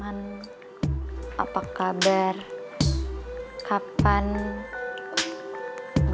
ini aku keluar dulu deh